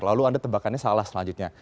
lalu anda tebakannya salah selanjutnya